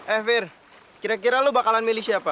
eh fir kira kira lo bakalan milih siapa